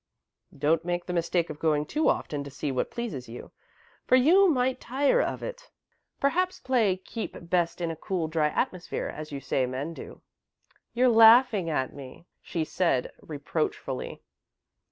"Don't make the mistake of going too often to see what pleases you, for you might tire of it. Perhaps plays 'keep best in a cool, dry atmosphere,' as you say men do." "You're laughing at me," she said, reproachfully.